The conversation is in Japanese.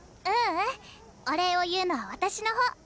ううんお礼を言うのは私の方。